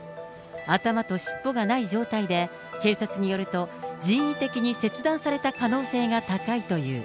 頭と尻尾がない状態で、警察によると、人為的に切断された可能性が高いという。